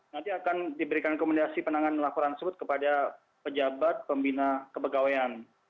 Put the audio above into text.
nanti akan diberikan rekomendasi penanganan laporan tersebut kepada pejabat pembina kepegawaian